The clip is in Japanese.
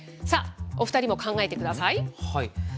さあ、お２人も考えてください。